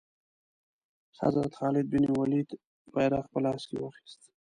حضرت خالد بن ولید بیرغ په لاس کې واخیست.